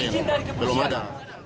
kita dengan bkd terakhir kemarin belum ada